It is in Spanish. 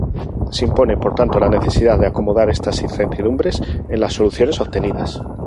Se impone por tanto la necesidad de acomodar estas incertidumbres en las soluciones obtenidas.